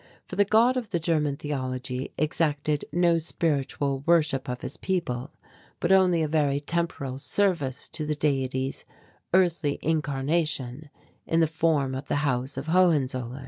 For the God of the German theology exacted no spiritual worship of his people, but only a very temporal service to the deity's earthly incarnation in the form of the House of Hohenzollern.